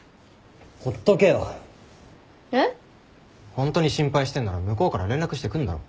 ホントに心配してんなら向こうから連絡してくんだろ。